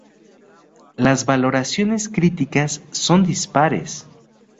Las valoraciones críticas son dispares.